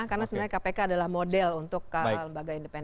karena sebenarnya kpk adalah model untuk lembaga independen